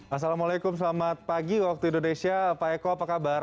assalamualaikum selamat pagi waktu indonesia pak eko apa kabar